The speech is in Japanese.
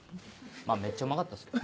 まぁめっちゃうまかったっすけど。